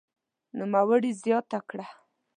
نوموړي زياته کړه